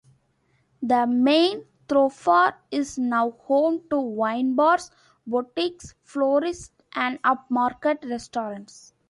The main thoroughfare is now home to wine bars, boutiques, florists and upmarket restaurants.